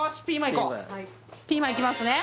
こうピーマンいきますね